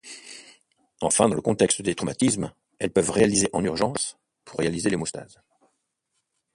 Enfin, dans le contexte des traumatismes, elles peuvent réalisées en urgence pour assurer l'hémostase.